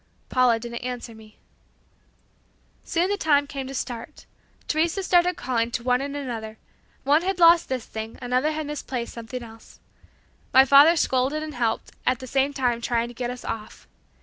Paula didn't answer me. Soon the time came to start. Teresa started calling to one and another. One had lost this thing, another had misplaced something else. My father scolded and helped, at the same time trying to get us off.